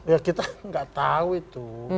ya kita nggak tahu itu